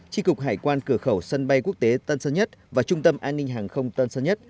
tri cục hải quan cửa khẩu sân bay quốc tế tân sơn nhất và trung tâm an ninh hàng không tân sơn nhất